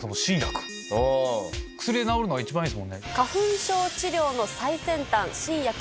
薬で治るのが一番いいっすもんね。